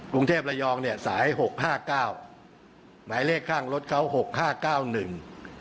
กรุงเทพระยองเนี่ยสายหกห้าเก้าหมายเลขข้างรถเขาหกห้าเก้าหนึ่ง